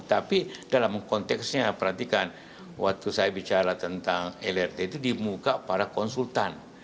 tapi dalam konteksnya perhatikan waktu saya bicara tentang lrt itu di muka para konsultan